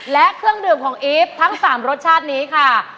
และเครื่องดื่มของอีฟทั้ง๓รสชาตินี้ค่ะ